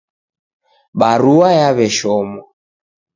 Barua yaw'eshomwa.